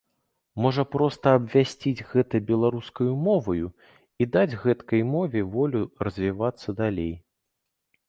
Можа, проста абвясціць гэта беларускаю моваю і даць гэтакай мове волю развівацца далей?